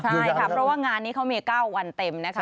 ใช่ค่ะเพราะว่างานนี้เขามี๙วันเต็มนะคะ